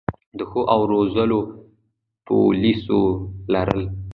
د ښو او روزلو پولیسو لرل